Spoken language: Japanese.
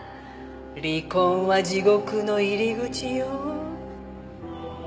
「離婚は地獄の入り口よ」